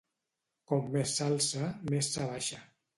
Com més s'alça, més s'abaixa.